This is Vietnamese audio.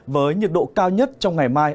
với nhiệt độ cao nhất trong ngày mai